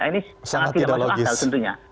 ini sangat tidak masuk akal tentunya